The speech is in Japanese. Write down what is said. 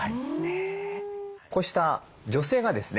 こうした助成がですね